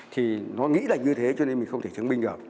thì nó nghĩ là như thế cho nên mình không thể chứng minh được